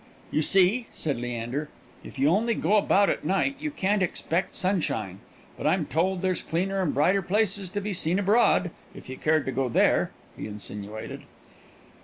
"You see," said Leander, "if you only go about at night, you can't expect sunshine! But I'm told there's cleaner and brighter places to be seen abroad if you cared to go there?" he insinuated.